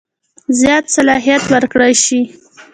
زیات صلاحیت ورکړه شي.